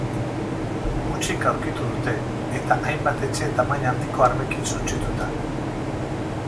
Hutsik aurkitu dute, eta hainbat etxe tamaina handiko armekin suntsituta.